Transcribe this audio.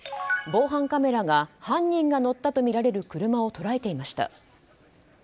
防犯カメラが犯人が乗ったとみられる車を捉えていました。